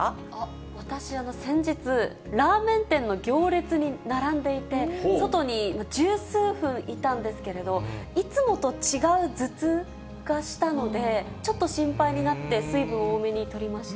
私、先日、ラーメン店の行列に並んでいて、外に十数分いたんですけれど、いつもと違う頭痛がしたので、ちょっと心配になって、水分を多めにとりました。